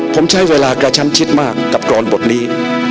ผมใช้เวลากระชั้นชิดมากกับกรอนบทนี้